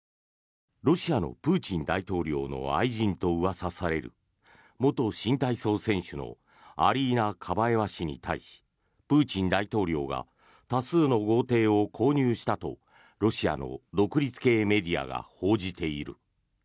ロシアのプーチン大統領の愛人とうわさされる元新体操選手のアリーナ・カバエワ氏に対しプーチン大統領が多数の豪邸を購入したとロシアの独立系メディアが報じている。